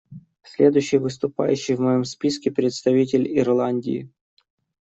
Следующий выступающий в моем списке — представитель Ирландии.